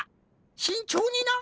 しんちょうにな。